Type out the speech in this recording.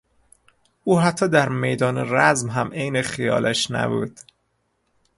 او حتی در میدان رزم هم عین خیالش نبود.